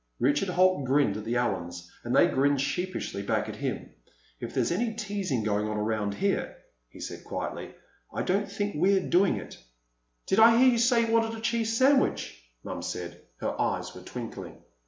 Richard Holt grinned at the Allens, and they grinned sheepishly back at him. "If there's any teasing going on around here," he said quietly, "I don't think we're doing it." "Did I hear you say you wanted a cheese sandwich?" Mom said. Her eyes were twinkling.